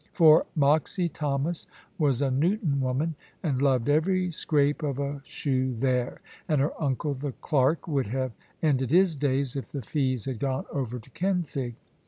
For Moxy Thomas was a Newton woman, and loved every scrape of a shoe there; and her uncle, the clerk, would have ended his days if the fees had gone over to Kenfig.